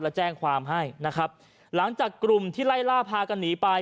แล้วแจ้งความให้นะครับหลังจากกลุ่มที่ไล่ล่าพากันหนีไป